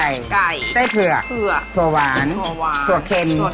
ไส้ไก่ไส้เผือกถั่วหวานถั่วเค็ม